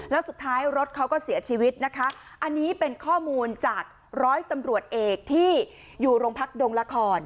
แล้วสุดท้ายรถเขาก็เสียชีวิตนะคะอันนี้เป็นข้อมูลจากร้อยตำรวจเอกที่อยู่โรงพักดงละคร